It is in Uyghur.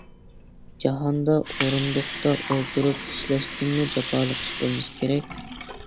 جاھاندا ئورۇندۇقتا ئولتۇرۇپ ئىشلەشتىنمۇ جاپالىق ئىش بولمىسا كېرەك.